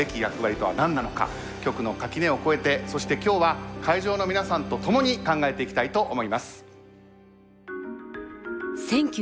局の垣根を越えてそして今日は会場の皆さんとともに考えていきたいと思います。